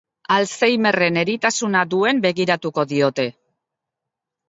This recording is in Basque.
Alzheimerren eritasuna duen begiratuko diote.